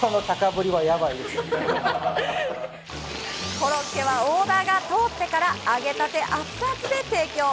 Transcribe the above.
コロッケはオーダーが通ってから揚げたてアツアツで提供。